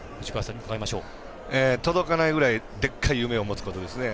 届かないぐらいでっかい夢を持つぐらいですね。